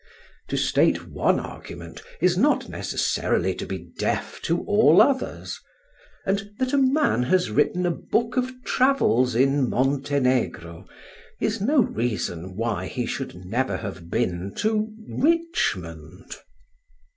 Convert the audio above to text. To state one argument is not necessarily to be deaf to all others, and that a man has written a book of travels in Montenegro, is no reason why he should never have been to Richmond.